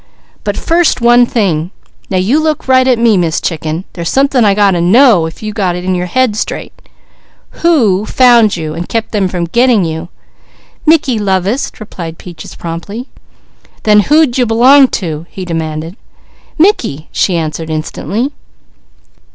But first, one thing! Now you look right at me, Miss Chicken. There's something I got to know if you got in your head straight. Who found you, and kept them from 'getting' you?" "Mickey lovest," replied Peaches promptly. "Then who d'you belong to?" he demanded. "Mickey!" she answered instantly.